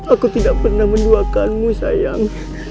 aku tidak pernah mendoakanmu sayang